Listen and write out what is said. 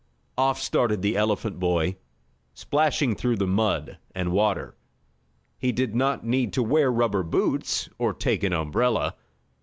Off started the elephant boy, splashing through the mud and water. He did not need to wear rubber boots, or take an umbrella.